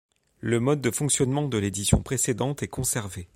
Le mode de fonctionnement de l'édition précédente est conservé.